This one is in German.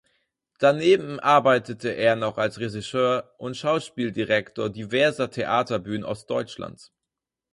Daneben arbeitete er noch als Regisseur und Schauspieldirektor diverser Theaterbühnen Ostdeutschlands.